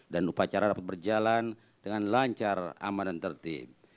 dan upacara dapat berjalan dengan lancar aman dan tertib